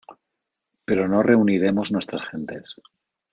pero no reuniremos nuestras gentes.